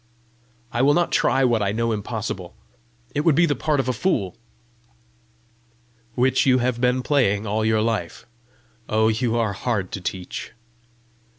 "I will not try what I know impossible. It would be the part of a fool!" "Which you have been playing all your life! Oh, you are hard to teach!"